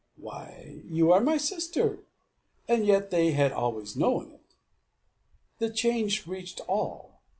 "Why, you are my sister!" And yet they had always known it. The change reached to all.